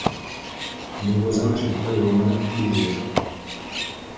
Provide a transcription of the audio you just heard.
Mes voisins n’achètent pas le journal tous les jours.